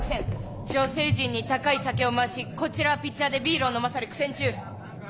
女性陣に高い酒を回しこちらはピッチャーでビールを飲まされ苦戦中。